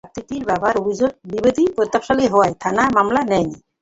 ছাত্রীটির বাবার অভিযোগ, বিবাদী প্রভাবশালী হওয়ায় থানা মামলা নেয়নি।